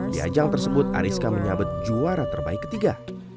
di ajang tersebut ariska menyabet juara terbaik ketiga